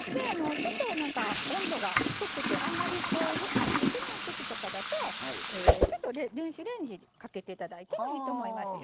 ちょっと温度が低くてあんまりよく溶けてない時とかだとちょっと電子レンジかけて頂いてもいいと思いますよ。